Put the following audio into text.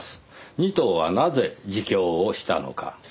仁藤はなぜ自供をしたのか。